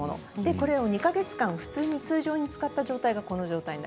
これを２か月間普通に通常に使った状態です。